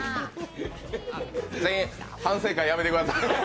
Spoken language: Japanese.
全員、反省会やめてください。